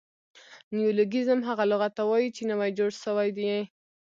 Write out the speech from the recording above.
نیولوګیزم هغه لغت ته وایي، چي نوي جوړ سوي يي.